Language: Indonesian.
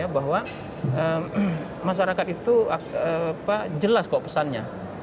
bahwa masyarakat itu jelas kok pesannya